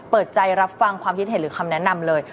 เปิดใจรับฟังความคิดเห็นหรือคำแนะนำเลย